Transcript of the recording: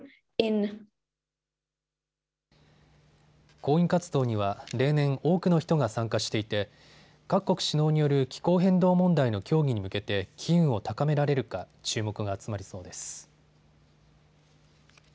抗議活動には例年、多くの人が参加していて各国首脳による気候変動問題の協議に向けて機運を高められるか注目が集まりそうです。